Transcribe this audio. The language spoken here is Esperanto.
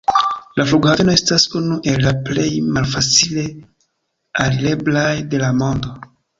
La flughaveno estas unu el la plej malfacile alireblaj de la mondo.